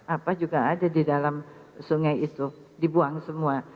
apa juga ada di dalam sungai itu dibuang semua